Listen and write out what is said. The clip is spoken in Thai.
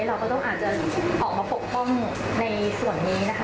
เราก็ต้องอาจจะออกมาปกป้องในส่วนนี้นะคะ